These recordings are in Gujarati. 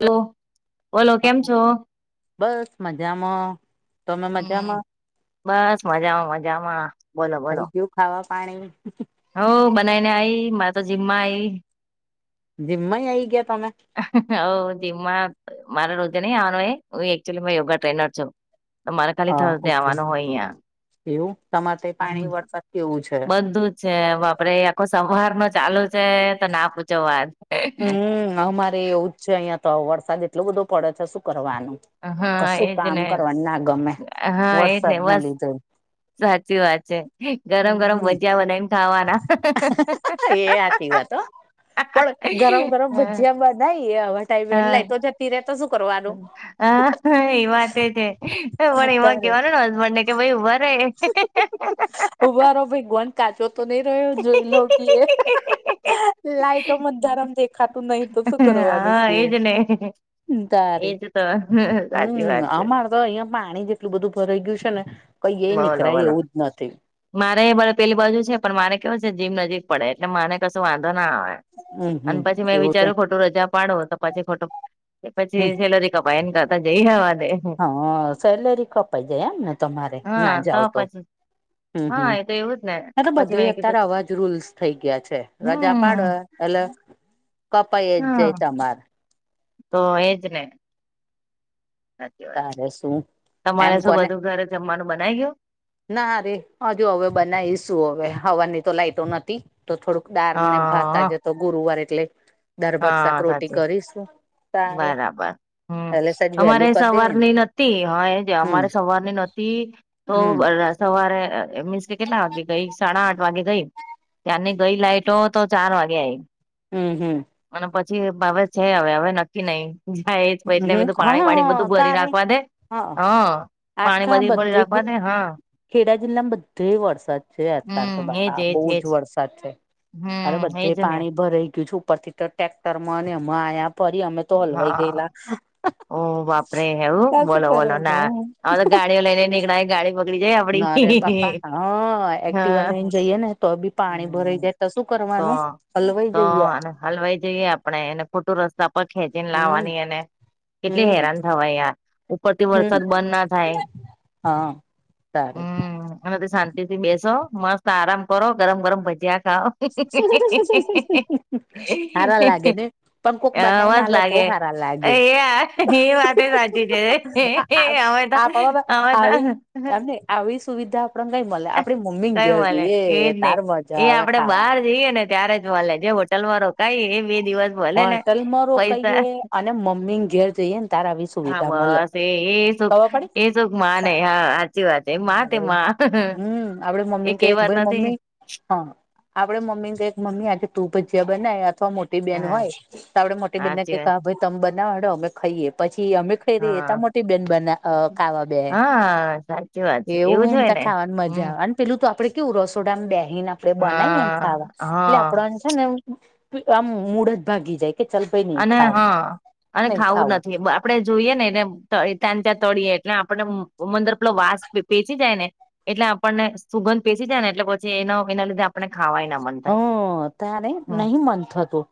હલો બોલો કેમ છો બસ મજામાં તમે હમ મજામા બસ મજામાં મજામાં બોલો બોલો હવા પાણી હ બનાવને આઈ મા તો જીમ્મા આઈ જિમા આઈ ગયા તમે અખ હ જીમમાં મારે રોજે નહી આવવાનો હુંચલી યોગા ટ્રેનર છો. મારે ખાલી થ હા દે ઓકે આવાનું હોય અહીંયા એવું તમારે તે પાણી વરસાદ કેવું છે. બધું જ છે બાપડે આખો સંવાહર નો ચાલુ છે તો ના પૂછો વાજ હમ અમારે એવું જ છે અહિયાં તો વરસાદ એટલો બધો પડે છે શું કરવાનું. હા કશું એજ કામ ને કરવા ના ગમે હા એજ વરસાદ ને બસ લીધે સાચી વાત છે ગરમ ગરમ હમ ભજિયા બનાયને ખાવાના એ સાચી વાત હો પણ ગરમ હ ગરમ ભજીયા બનાઈ એ આવા ટાઈમે એટલા તો તિર તો સુું કરો વાત હ એ વાતે છે પણ એમાં અત્યારે કેવાનું ને હસબન્ડ ને કે ભાઈ વરે મારો ભેગવાન. કાજો તો નહી રહ્યો જોઈ લોકીએ. લાાઈટો મધારમ દેખાતું નહી તો શું કરવાનું હા છે. એજ ને એજ તો સાચી હમ વાત છે. અમારે તો અહિયાં પાણી જેટલું બધું ભરાઈ ગયું છે ને કઈ એ બોલો નીકરા બોલો એવું જ નથી. મારે ભ પેલી બાજુ છે પણ મારે કેવું છે જીમ નજીક પડે એટલે માને કશું વાંધો ના આવે. હમ હમ અને પછી મેં એવું છે વિચાર્યું ખોટું રજા પાડો તો પછી ખોટું પછી હમ સેલરી. તો પન કરતા જઈ હવા હા સેલેરી કપાઈ જાય એમને તમારે હા ના જાવ તો. પછી હા એતો એવું. જ ને એ તો પછી બધા મેં કીધું અત્યારે અવાજ રૂલ્સ થઈ ગયા છે રજા હમ પાડે એટલે. કપા એ હા જાય સમાર. તો એજ ને. સાચી વાત છે. તારે શું તમારે એમ શું કોને. બધું ઘરે જમવાનું બનાવી ગયું? ના રેહજુ હવે બનાવી શું હવે હવાની તો લાઈટો નથી. તો થોડુંક દાર ને ભાતા હા જ તો ગુરુવાર એટલે દરભત શાક હા રોટી સાચી કરીશું. તારે બરાબર હમ એટલે સજ અમારે. વહેલું કરી દઈએ ને સવારની નથી હા હમ અમારે સવારની નથીતી તો. હમ સવારે મીન્સ કે કેટલા વાગે ગઈ સાડા આઠ વાગે ગઈ ત્યાંની ગઈ લાઈટ. તો તો ચાર વાગ્યા આય. હમ હમ. અને પછી બાવે છે હવે હવે નક્કી નઈ. થા એજ ભઈ હમ હમ એટલે પાણી પાણી હા બધું ભરી તારે નાખવા દે હા હ. પાણી આખા બધી પળી બધે રાખવા દે હા. ખેડા જિલ્લામાં બધે વરસાદ છે અતાર તો હમ એજ બાકા એજ બહુ જ એજ વરસાદ છે. અરે હમ એજ બધે ને પાણી ભરાઈ ગયું છેું ઉપર થી તો ટેક્ટર માં એમાં આયા ફરી અમે તો હલવાઈ હા ગયેલા. ઓ બાપરે હવું ત શું બોલો બોલો કરવાનું ના તો ગાડીઓ લઈને નીકળ ગાડી. બગડી જાય આપડી નારે બાપા હા એક્ટિવા હા લઈને જઈએે ને તો બી પાણી ભરાઈ જાય. તો શું તો કરવાનું હલવાઈ તો જઈએ. અને હલવાઈ જઈએ આપણે એને ખોટું રસ્તા પર ખેંચીને હમ લાવવાની એને. કેટલી હમ હેરાન થવાય યાર ઉપરથી વરસાદ બંધ ના થાય. સારૂ. હવેથી શાંતિ થી બેસો મસ્ત આરામ કરો ગરમ ગરમ ભજીયા ખાઓ. [inaudible] હારા લાગે ને પણ કોક હ બનાવીને મસ આલે તો હારા લાગે લાગેયાર એ વાત સાચી છે. એ આવે ત આપણા આવે ત. આવી એમ નઈ આવી સુવિધા આપડને કઈ મળે આપડી મમ્મી ગ કયું મલે એજ એ ને તાર મજા એ આવે. આપડે ખાવાની બહાર જઈએ ને ત્યારે જ મળલે જે હોટલમાં રોકાય એ બે દિવસ. મલે હા ને ટલમરો પૈસા કહીએ અને મમ્મી ને ઘેર જઈએ ને તારા વિશે. હા બસ એ એ સુખ એ સુખ માં ને હા સાચી વાત છે મા તે માં. હમ આપડે મમ્મી એ ને ક કહેવત ભાઈ નથી મમ્મી. હા આપડે મમ્મી ને ક કે મમ્મી આજે તું ભજીયા બનાય અથવા મોટી. બેન હા હોય તો આપડે મોટી બેનને સાચી વાત ભાઈ તમે બનાવડો અમે ખાઈએ પછી અમે. રી ત હા મોટી બેન બના અ ખાવા બે હા સાચી વાત છે એવું હોય જ ને તો ખાવાની હમ મજા આવે. પેલું તો આપડે કેવું રસોડાને બેહીને આપડે બનાવીને હા ખાવા એટલે હા આપડ. હેને આમ મૂળ જ ભાગી જાય. કે ચલ ભઈ. અને હા અને ખાવું નથી. આપડણે જોઈએ ને એને તં ચાં તળીએ એટલે આપણે મંદર પેલો વાસ પેચી જાય ને. એટલે આપણને સુગંધ પેશી જાય ને એટલે પછી એનો એના લીધે આપણેને ખાવાય ના. મન થાય હમ ત્યારે નહિ મન થતું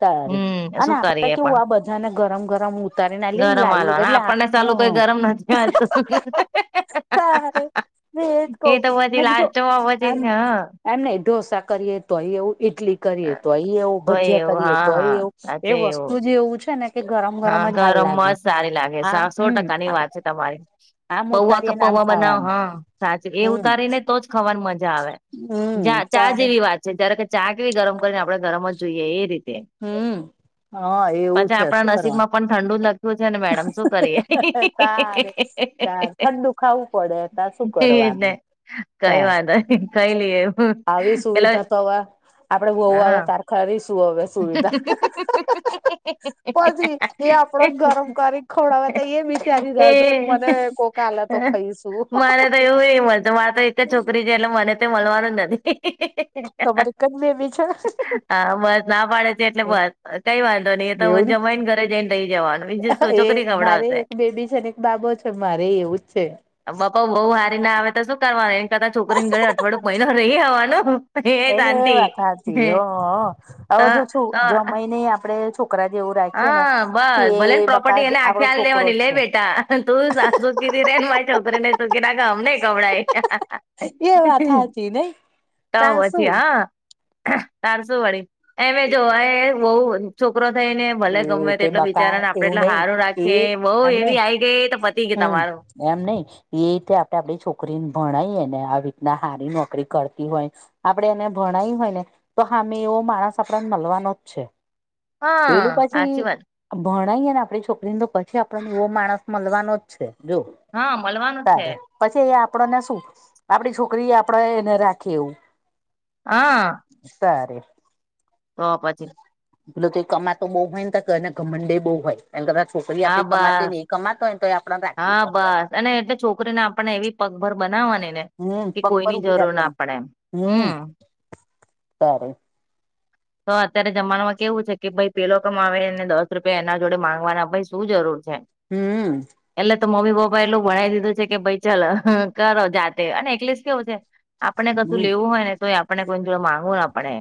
તારે. હમ શું આપે કરીએ કેવું પણ આ બધા ને ગરમ ગરમ ઉતારીને લઈએને લાવ્યું એટલે હ. હાલ તો. મે એજ કવ એ તો બી લા્ટમાં [inaudible] વધે હ. એને ઢોસા કરીએ તોય એવું ઇટલી. કરીએ તો એ એવું તો ભજ્યા એવું કરીએ હા તોય હા એવું એ સાચે વસ્તુ જે એવું છે ને. કે ગરમ હા ગરમ જ હાલ ગરમમાં લાગે જ સારી લાગે આ સા સો હમ ટકાની વાત છે તમારી. આમ પૌવા ઉતારીએ ને આમ કપૌવા બનાવ ખાવાનું હા સાચું એ હમ ઉતારી ને તો જ. ખવાની મજા આવે જા હમ ચા તારે જેવી વાત. જ્યારે કે ચા કેવી ગરમ કરીને આપણે ગરમમાં જ જોઈએ એ રીતે. હમ હા એવું પછી છે શું આપણા નસીબ કરવાનું. માં પણ થંડુ લ. શું છે ને મેડમ શું કરીએ તારે તાર ઠંડુ ખાવું પડે તાર શું તેવી રીત કરવાનું ને. કઈ તાર વાઘો નઇ ખાઈ લઈ એમ પેલા. હોવ. આપડે બહવુ આવે ત્યારે ખરી શું હવે. સુવિધા પછી એ આપણો ગરમ. કરી ખોડાવે તો એ વિચારી એ રાહ જોવા મને કોક આલે તો ખાઈશું. મારે તો એવું નહી મળતું મારે તો એક જ છોકરી છે એટલે મને તે મળવાનું જ નથી. તમારે એક જ બેબી છે? હા બસ. ના પાડે છે એટલે બસ કઈ વાંધો નહી એ તો હ જમાઈ ને ઘરે જઈને રહી જવાનું. બીજું શું, એ છોકરી મારે ખવડાવશે એક બેબી છે ને એક બાબો છે મારે એવું જ છે. બપા બઉુ હારી ના આવે તો શું કરવાનું એ કરતા છોકરીને ઘરે અઠવાડયું મહિનો રહી આવવાનું. એ એ વાત હાચી હો હો હવે તો જો છુ જમાઈ ને આપડે છોકરા જેવું રાખ. હ બસ ભલે ને પ્રોપર્ટી એને આપડો આખી આલી છોકરો દેવાની લે જ છે બેટા. તું સા [inaudible] ચું ક રેન મા છોકરીને તો ના કે અમને ખવડાય. એ વાત હાચી નઈ તો તાર હજી શું હા. ચારસો વાળી એમે જો એ બહુ છોકરો થઈને. ભલે ગમે એ તે એટલે બકા બિચારા ને આપડે એવું એટલે હ નઈ સારું એ રાખીએ બહુ એમ નઈ એવી આવી ગઈ તો પતી ગયુ હમ તમારું. એમ નઈ એ રીતે આપડણે આપડી છોકરીને ભણાયએ ને આવી રીતના હારી નોકરી કરતી હોય. આપણે એને ભણાય હોય ને તો હામે એવો માણસ આપણને મળવાનો છે. હા પેલું સાચી પછી. વાત ભણાઇયેને આપણી છોકરી ને તો પછી આપણ જેવો માણસ મળવાનો છે જોવ. હા મલવાનો છે. પછી એ આપણને શું આપડી છોકરી આપણે એને રાખી એવું. હા. સારી. તો પછી. એટલે કે કમા તો બહુ હોય ને ઘમંડે બહુ હોય એમ છોકરી હા આપડી કમાતી બસ નહી કમાતો હોયને તો એ આપડ હા રાખી બસ અને એટલે છોકરીને આપણને એવી પગભર બનાવવાની ને હમ કે પગ પર કોઈની ઉભી જરૂર ના રાખવાની પડે એમ હમ સારું તો અત્યારે જમાનામાં કેવું છે કે ભાઈ પેલો કમા આવેને દસ રૂપિયા એના જોડે માંગવાના ભાઈ શું જરૂર છે હમ એટલે તો મમ્મી પપ્પા એટલું ભણી દીધું છે કે ભાઈ ચાલ કરો જાતે અને એકલીસ કેવું છે આપણે કશું હમ લેવું હોય ને તો આપણે કોઈને જોડ માંગવું ને આપડે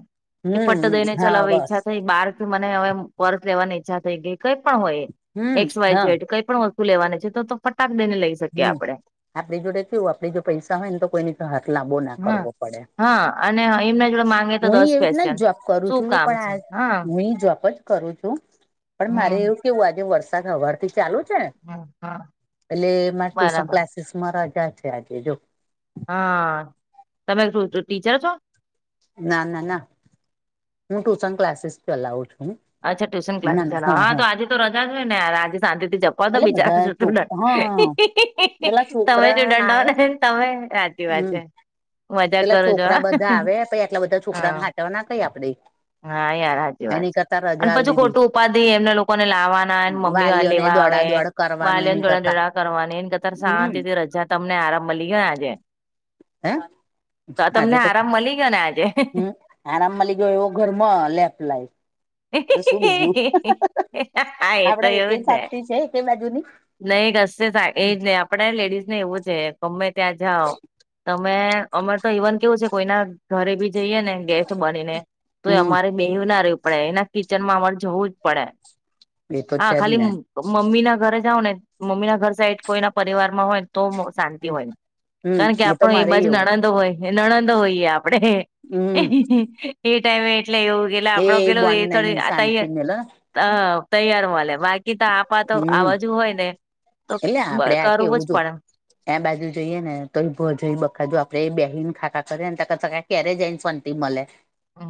કે ફટ હમ દેને હા ચલાવે બસ ઈચ્છા થઈ બહાર મને હવે પર્સ લેવાની ઈચ્છા થઈ ગઈ કઈ પણ હોય હમ એક્સ વાય હા જેડ કઈ પણ વસ્તુ લેવાની છે તો ફટાક દઈને લઈ શકીએ આપડણે આપણી જોડે કેવું આપે જો પૈસા હોય ને તો કોઈ હા લંબો ના હા કરવો પડે હા અને એમના જોડે માંગે તો હું દસ એવી રીતના પસન જ જોબ કરું છું પણ આ હું જો આપ જ કરું છું પણ મારે હમ એવું કેવું આજે વરસાદ હવાર થી ચાલુ જ હા એટલે મારે ટ્યુશન બરાબર ક્લાસીસમાં રજા છે આજે જો હા તમે ટીચર છો ના ના ના હું ટ્યુશન ક્લાસીસ ચલાવું છું અચ્છા ટ્યુશન ક્લાસ ચ હા તો આજ તો રજા હોય યાર આજ સાજેથી જ તો એટલે બચાર બધા છો છોક તુંંડ હા પેલા તમે જોું છોકરા દંડ હો આવે નેને તમે વાજ હમ પેલા છોકરા બધા આવે પછી આટલા બધા હા છોકરાને હાટવા ના કઈ આપડે હા યાર હાજી વાત એની છે કરતા રજા અને આલ પછી દીધી ખોટું ઉપાધિ એમને લોકોને લાવવાના મમ્મી વાલીઓને લેવા હ દોડા દોડ કરવાનું વાલીને એની દોળ કરતા દોળ કરવાની એને કતર હમ શાંતિથી રજા તમને આરામ મળી ગયો ને આજે હે તો આ તમને આરામ મળી ગયો ને આજે હમ આરામ લ ગયો એવો ઘર લેપ લાય તો શું બીજું હા એ તો આપડે એક એવું જ ને સાચી છે એક બાજુની નહી કશે એજ નહ આપડ લેડીઝ ને એવું છે ગમે ત્યાં જાઓ તમે અમે તો ઇવન કેવું છે કોઈના ઘરે બી જઈએ ને ગેસ્ટ બનીને તો એ હમ અમારે બેવ ના રહેવવી પડે એના કિચનમાં અમારે જોવું જ પડે એ તો હા છે જ ખાલી ને મમ્મી ના ઘરે જઓ ને મમ્મી ના ઘર સાઈડ કોઈના પરિવારમાં હોય તો શાંતિ હોય ને હમ કારણ કે તો આપણો એ મારે બાજ એવું નણંદ હોય નણંદ હોઈએ આપણે હમ એ ટાઈમે એટલે એવું કેે એ આપડો પેલો એ બોન થડી નહી આ શાંતિ મેલ હ તૈયાર વા્યા બાકી તો આપા તો આ હમ બાજુ હોય ને તો કરવું જ પડે એં બાજુ જોઈએ ને તો ભજ બખાજું આપડે બેહીને ખાકા કરીે ને કે્યારે જઈનન ટ મળલે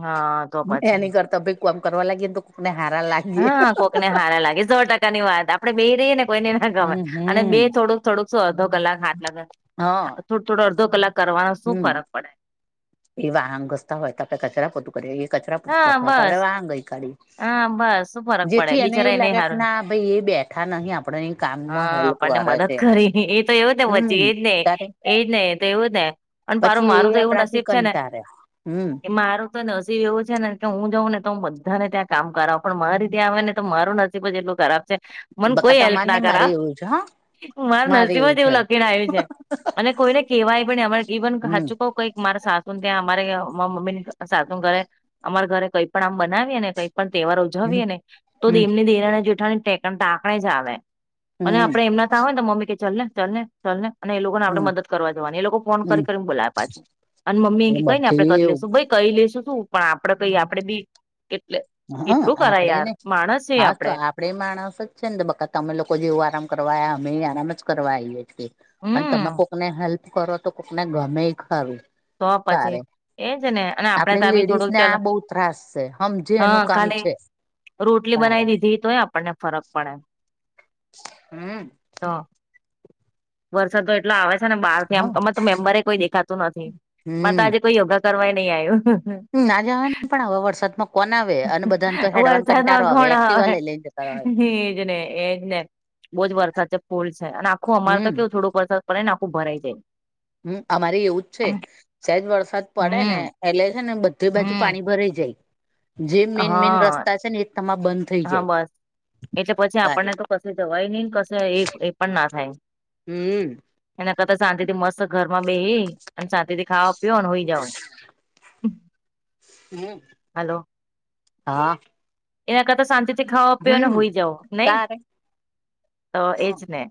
હા તો પછી એની કરતા ભાઈ ક આમ કરવા લાગીએ ને તો કોકને હારા લાગીે હા કોકને હારા લાગે સો ટકા ની વાત આપણે બે રહીએ ને કોઈને ના ગમેર હમ અને હમ બે થોડું થોડકો અધો કલાક હાથ લાગે હા થોડું થોડો અડધો કલાક કરવાનો શું હમ ફરક પડે એ વાહન ઘસતા હોય ત આપણે કચરા પોતું કરી એ કચરા પૂતું હા કરતા તો આપડે બસ વા ગઈ કાઢી હા બસ શું ફરક પડે જેથી એને બિચારા એવું લાગે હારું ના ભાઈ એ બેઠા નહીિ આપડ કામમાં હા હેલ્પ આપણને કરે મદદ છે કરી એ તો એવું પછી હમ એજ નહ તારે એજ નહ તો એવું ને પણ પારું પછી મારું એ તો એવું આપણાથી નસીબ છે ને કંટારે હમ એ મારું તો નસીબ એવું ને કે હું જાઉં ને તો હું બધાને ત્યાં કામ કરાવું પણ મારી ત્યાં આવે ને તો મારું નસીબ જ એટલું કરાવ મને બકા કોઈ હેલ્પ તમારે ના ને મારે કરા એવું છે હા મારા મારે નજીમાં જ છે એવું લખીને આવ્યું છે અને કોઈને કેહેવાય પણને અ ઈવન હમ હાચું કવ કઈક મારા સાસુને ત્યાં અમારે મમ્મી સાસુ ઘરે અમારા ઘરે કઈ પણ આમ બનાવીએ ને કઈ પણ તહેવાર હમ ઉજાવીએ ને તો હમ એમની દેરાણી જેઠાણી ટાંકણે જ આવે. અને હમ આપડે એમના તા હોય ને તો મમ્મી કે ચલ ને ચલ ને ચાલ ને અને એ લોકોને આપણે હમ મદદ કરવા જવાની એ લોકો ફોન હમ કરી કરીને બોલાવે પાછુ. અને મમ્મી કેય કઈને આપડે બધી કરી એવું લેશું ભાઈ કરી લેશું શું પણ આપડે કઈ આપડે બી એટ એટલું કરાય યાર માણસ છે આપડે આપણે માણસ જ છે ને બકા તમે લોકો જેવું આરામ કરવા આયા અમે આરામ જ કરવા આઈએ છીએ. પણ હમ્મ. તમે કોક ને હેલ્પ કરો તો કોકને ગમેય ખરું. તો તારે પછી એજ ને અને આપડે તા બી લેડીઝ થોડુંક ને ચલો આ બહુ ત્રાસ છે હમજે હા એનું કામ ખાલી છે રોટલી તારે બનાવી દીધી તોય આપણને ફરક પડે. હમ તો વરસાદ તો એટલા આવે છે ને બાર થી આમ અમાંરે તો મેમ્બરે કોઈ દેખાતું નથી મારે તો આજે કોઈ યોગા કરવાય નહી આયુ હમ ના જવા ને પણ આવા વરસાદમાં કોણ આવે અને બધાને તો હેડવાનો કંટારો આવે એક્ટિવા લઈ લઈને જતા રહે એજને એજને બહુ જ વરસાદ છે ફૂલ છે અને આખું અમારે તો હમ કેવું થોડુંક વરસાદ પડે ને આખું ભરાઈ જાય. હમ અમારી એવું જ છે સહેજ વરસાદ પડે ને હમ એેલે છે ને બધી બાજુ હમ પાણી ભરાઈ જાય. જે મેન મેન હા રસ્તા છે ને એ તમારે બંધ થઈ હા જાય. બસ એટલે પછી તારે આપણને તો કસે જવાય નહીને કસે એ એ પણ ના થાય. હમ એના કરતા શાંતિ થી મસ્ત ઘરમાં બેસી અને શાંતિ થી ખાવા પીઓ અને હુઈ જાવ. હમ હલો હા એના કરતા શાંતિ થી ખાવો પીવોને હમ હુય જાવ નય તારે તો હા. એજ ને